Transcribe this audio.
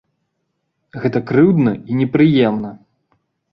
Гэта крыўдна і непрыемна.